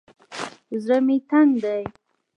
زړه مې تنګ دى.